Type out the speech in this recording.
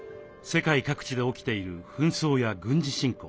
世界各地で起きている紛争や軍事侵攻。